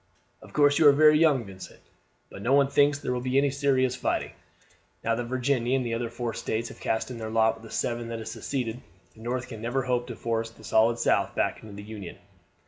"Of course you are very young, Vincent; but no one thinks there will be any serious fighting. Now that Virginia and the other four States have cast in their lot with the seven that have seceded, the North can never hope to force the solid South back into the Union.